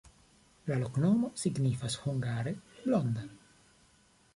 La loknomo signifas hungare: blonda.